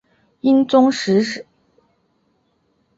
英宗时升为南康知府。